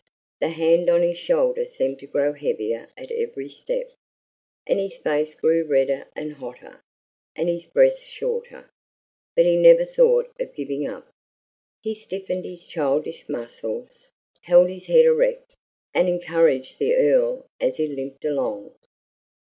The hand on his shoulder seemed to grow heavier at every step, and his face grew redder and hotter, and his breath shorter, but he never thought of giving up; he stiffened his childish muscles, held his head erect, and encouraged the Earl as he limped along.